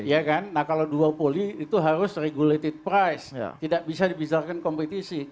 ya kan nah kalau duopoli itu harus regulated price tidak bisa dibisarkan kompetisi